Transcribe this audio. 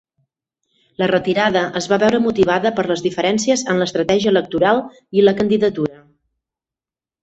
La retirada es va veure motivada per les diferències en l'estratègia electoral i la candidatura.